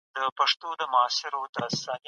سياستوال د خلکو ترمنځ پر اړيکو واکمني لري.